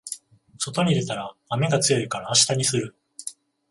外に出たら雨が強いから明日にする